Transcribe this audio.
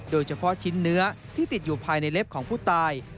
โดยเฉพาะชิ้นเนื้อที่ติดอยู่ภายในเล็บของผู้ตาย